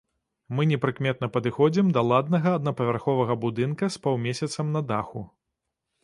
Мы непрыкметна падыходзім да ладнага аднапавярховага будынка з паўмесяцам на даху.